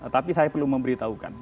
tapi saya perlu memberitahukan